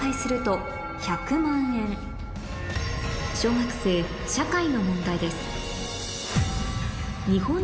小学生社会の問題です